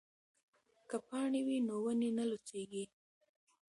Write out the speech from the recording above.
که پاڼې وي نو ونې نه لوڅیږي.